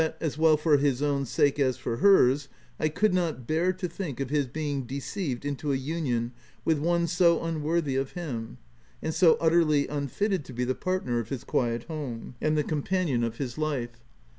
as well for his own sake as for hers, I could not bear to think of his being deceived into a union with one so unworthy of him, and so utterly unfitted to be the partner of his quiet home, i 3 173 THE TENANT and the companion of his life.